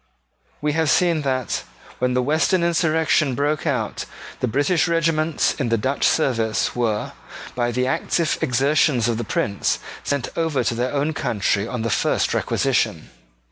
We have seen that, when the Western insurrection broke out, the British regiments in the Dutch service were, by the active exertions of the Prince, sent over to their own country on the first requisition.